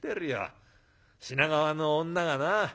品川の女がな